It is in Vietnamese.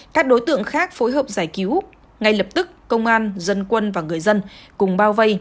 các đối tượng khác phối hợp giải cứu ngay lập tức công an dân quân và người dân cùng bao vây